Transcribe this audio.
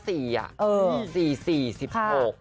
เดี๋ยว